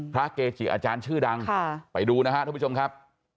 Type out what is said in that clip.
เกจิอาจารย์ชื่อดังไปดูนะครับท่านผู้ชมครับ